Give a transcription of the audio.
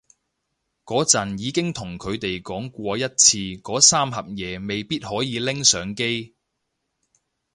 嗰陣已經同佢哋講過一次嗰三盒嘢未必可以拎上機